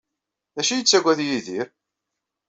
D acu ay yettaggad Yidir?